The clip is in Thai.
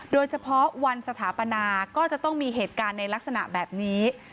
โดยเฉพาะวันสถาปนาก็จะต้องมีเหตุการณ์ในลักษณะแบบนี้